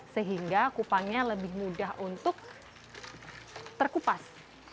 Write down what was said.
sehingga kupangnya lebih mudah untuk terkupas